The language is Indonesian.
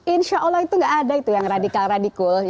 insya allah itu nggak ada yang radikal radikul